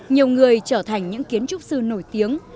nhiều người trở thành những kiến trúc sư nổi tiếng